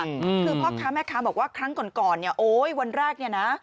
คือพ่อค้าแม่ค้าบอกว่าครั้งก่อนก่อนเนี่ยโอ๊ยวันแรกเนี่ยนะ